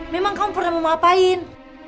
memang kamu pernah mau ngapain